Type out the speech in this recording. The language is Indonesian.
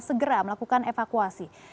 segera melakukan evakuasi